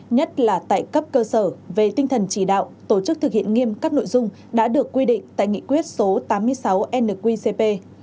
nhất là tại cấp cơ sở về tinh thần chỉ đạo tổ chức thực hiện nghiêm các nội dung đã được quy định tại nghị quyết số tám mươi sáu nqcp